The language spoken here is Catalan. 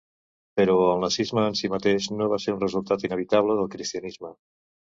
Però el nazisme en sí mateix no va ser un resultat inevitable del cristianisme.